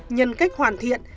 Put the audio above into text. nhân cách hoàn thiện